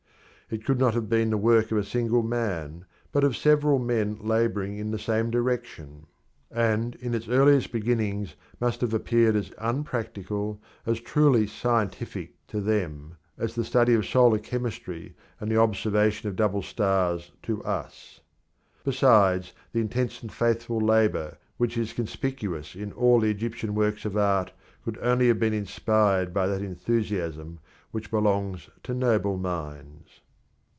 It could not have been the work of a single man, but of several men labouring in the same direction, and in its early beginnings must have appeared as unpractical, as truly scientific to them, as the study of solar chemistry and the observation of the double stars to us. Besides, the intense and faithful labour which is conspicuous in all the Egyptian works of art could only have been inspired by that enthusiasm which belongs to noble minds.